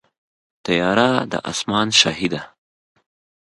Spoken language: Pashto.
طیاره د اسمان شاهي ده.